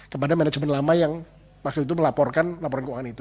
kepada manajemen lama yang waktu itu melaporkan laporan keuangan itu